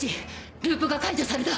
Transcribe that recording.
ループが解除された！